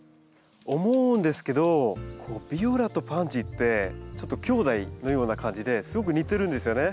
思うんですけどビオラとパンジーってちょっときょうだいのような感じですごく似てるんですよね。